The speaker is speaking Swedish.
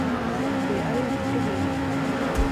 Det är inte problemet.